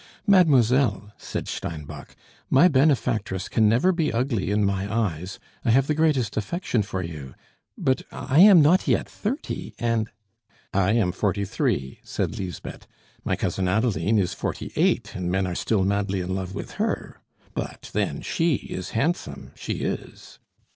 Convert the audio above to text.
"Mademoiselle," said Steinbock, "my benefactress can never be ugly in my eyes; I have the greatest affection for you. But I am not yet thirty, and " "I am forty three," said Lisbeth. "My cousin Adeline is forty eight, and men are still madly in love with her; but then she is handsome she is!"